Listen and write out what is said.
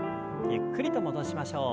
ゆったりと動きましょう。